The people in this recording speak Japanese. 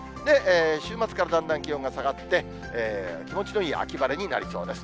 週末からだんだん気温が下がって、気持ちのいい秋晴れになりそうです。